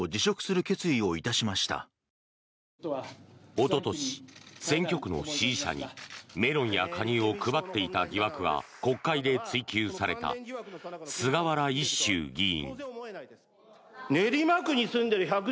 おととし、選挙区の支持者にメロンやカニを配っていた疑惑が国会で追及された菅原一秀議員。